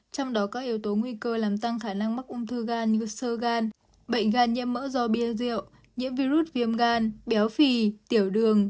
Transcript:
trong đó các yếu tố nguy cơ làm tăng khả năng mắc ung thư gan như sơ gan bệnh gan nhiễm mỡ do bia rượu nhiễm virus viêm gan béo phì tiểu đường